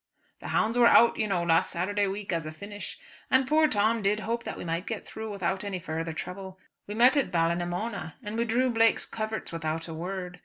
"The hounds were out you know last Saturday week as a finish, and poor Tom did hope that we might get through without any further trouble. We met at Ballinamona, and we drew Blake's coverts without a word.